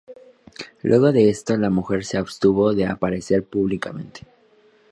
Luego de esto, la mujer se abstuvo de aparecer públicamente.